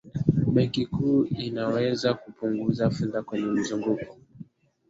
benki kuu inaweza kupunguza fedha kwenye mzunguko